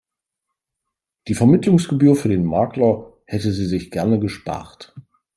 Die Vermittlungsgebühr für den Makler hätte sie sich gerne gespart.